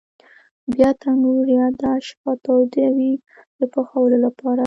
بیا تنور یا داش ښه تودوي د پخولو لپاره.